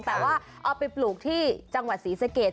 แต่ว่าเอาไปปลูกที่จังหวัดศรีสะเกด